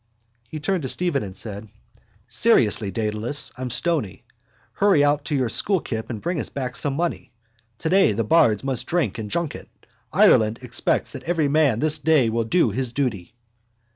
_ He turned to Stephen and said: —Seriously, Dedalus. I'm stony. Hurry out to your school kip and bring us back some money. Today the bards must drink and junket. Ireland expects that every man this day will do his duty.